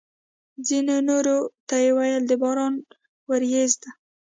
ځینو یې نورو ته ویل: د باران ورېځ ده!